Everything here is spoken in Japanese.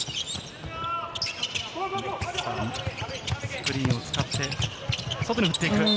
スクリーンを使って、外に振っていく。